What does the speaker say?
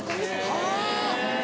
はぁ！